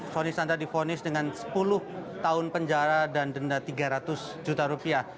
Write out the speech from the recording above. soni sandra difonis dengan sepuluh tahun penjara dan denda tiga ratus juta rupiah